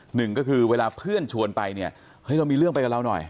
หนึ่งก็คือเวลาเพื่อนชวนไปเนี่ยเฮ้ยเรามีเรื่องไปกับเราหน่อย